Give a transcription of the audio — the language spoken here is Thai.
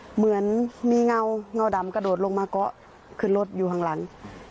เหมือนมีเงาเงาดำกระโดดลงมาเกาะขึ้นรถอยู่ข้างหลัง